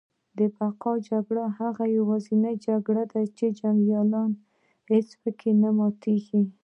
د بقا جګړه هغه یوازینۍ جګړه ده چي جنګیالی یې هیڅکله نه ماتیږي